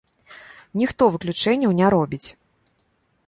Ніхто выключэнняў не робіць.